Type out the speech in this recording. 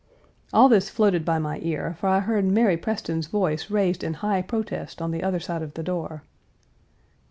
All this floated by my ear, for I heard Mary Preston's voice raised in high protest on the other side of the door.